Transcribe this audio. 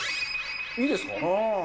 いいですか？